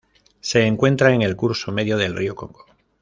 Se encuentra en el curso medio del río Congo.